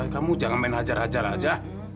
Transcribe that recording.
kamu jangan main ajar ajar aja